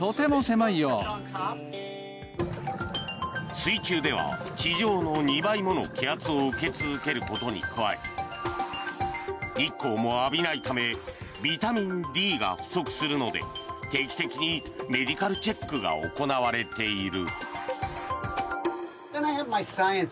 水中では地上の２倍もの気圧を受け続けることに加え日光も浴びないためビタミンＤが不足するので定期的にメディカルチェックが行われている。